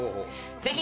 ぜひ。